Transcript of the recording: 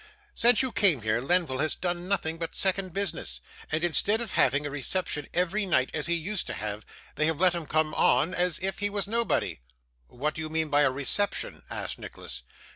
'Since you came here Lenville has done nothing but second business, and, instead of having a reception every night as he used to have, they have let him come on as if he was nobody.' 'What do you mean by a reception?' asked Nicholas.